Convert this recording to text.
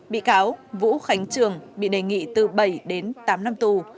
bị cáo vũ khánh trường bị đề nghị từ bảy đến tám năm tù